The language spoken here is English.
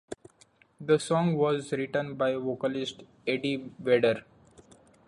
The song was written by vocalist Eddie Vedder.